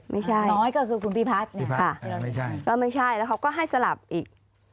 ไม่ใช่น้อยก็คือคุณพิพัฒน์เนี่ยค่ะก็ไม่ใช่แล้วเขาก็ให้สลับอีก